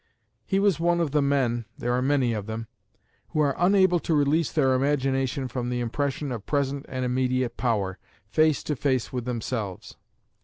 He was one of the men there are many of them who are unable to release their imagination from the impression of present and immediate power, face to face with themselves.